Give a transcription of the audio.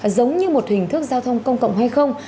giống như một hình thức giao thông công cộng hay không